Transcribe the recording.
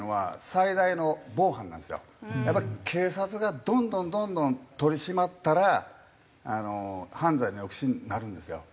警察がどんどんどんどん取り締まったらあの犯罪の抑止になるんですよ。